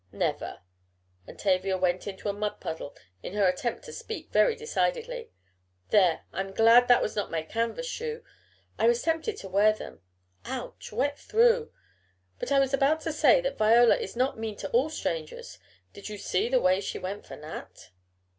"Never," and Tavia went into a mud puddle in her attempt to speak very decidedly. "There! I'm glad that was not my canvas shoe. I was tempted to wear them. Ouch! Wet through! But I was about to say that Viola is not mean to all strangers. Did you see the way she went for Nat?"